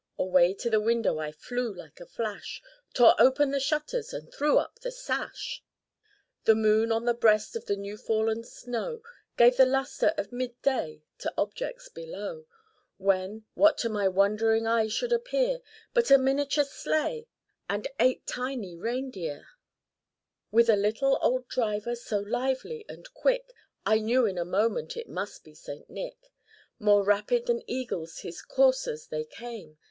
Away to the window I flew like a flash, Tore open the shutters, and threw up the sash. The moon, on the breast of the new fallen snow, Gave a lustre of mid day to objects below ; When, what to my wondering eyes should appear, But a miniature sleigh and eight tiny rein¬ deer, By C + C Moore, With a little, old driver, so lively and quick, I knew in a moment it must be St, Nick, More rapid than eagles, his coursers they came.